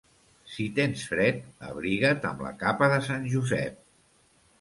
Si tens fred, abriga't amb la capa de sant Josep.